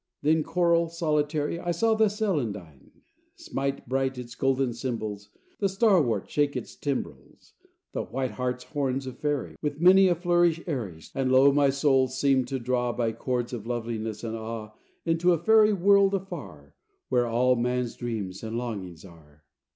Then choral, solitary, I saw the celandine Smite bright its golden cymbals, The starwort shake its timbrels, The whiteheart's horns of Fairy, With many a flourish airy, Strike silvery into line. And, lo, my soul they seemed to draw, By chords of loveliness and awe Into a Fairy world afar Where all man's dreams and longings are.